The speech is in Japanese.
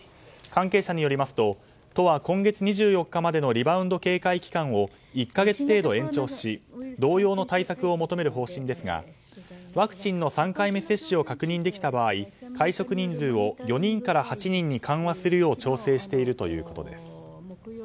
関係者によりますと都は今月２４日までのリバウンド警戒期間を１か月程度延長し同様の対策を求める方針ですがワクチンの３回目接種を確認できた場合会食人数を４人から８人に緩和するよう調整しているということです。